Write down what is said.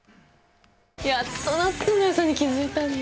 やっとなっつんの良さに気付いたんだ。